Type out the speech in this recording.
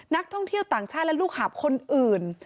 นักท่องเที่ยวต่างชาติและลูกหาบคนอื่น